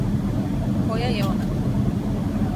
Која је она?